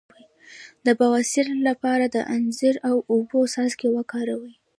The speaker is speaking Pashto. د بواسیر لپاره د انځر او اوبو څاڅکي وکاروئ